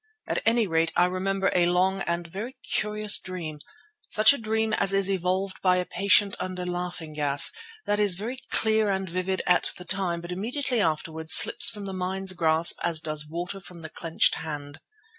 At any rate I remember a long and very curious dream, such a dream as is evolved by a patient under laughing gas, that is very clear and vivid at the time but immediately afterwards slips from the mind's grasp as water does from the clenched hand.